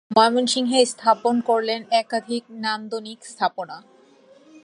ময়মনসিংহে স্থাপন করলেন একাধিক নান্দনিক স্থাপনা।